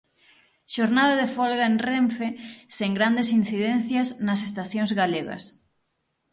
Xornada de folga en Renfe sen grandes incidencias nas estacións galegas.